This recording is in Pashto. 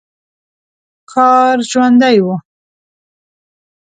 ښار ژوندی و.